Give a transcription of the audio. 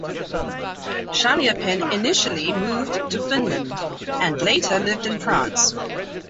Chaliapin initially moved to Finland and later lived in France.